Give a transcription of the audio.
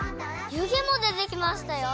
ゆげもでてきましたよ！